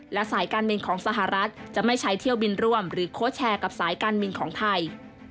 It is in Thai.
และสายการบินของสหรัฐจะไม่ใช้เที่ยวบินร่วมหรือโค้ชแชร์กับสายการบินของไทย